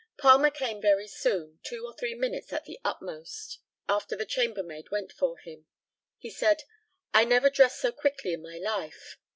Palmer came very soon (two or three minutes at the utmost) after the chambermaid went for him. He said, "I never dressed so quickly in my life."